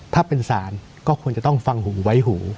ถ้าเป็นศาลก็ควรจะต้องฟังหูไว้หู